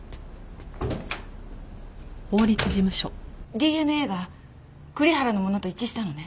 ＤＮＡが栗原のものと一致したのね？